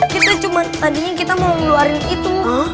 kita cuma tadinya kita mau ngeluarin itu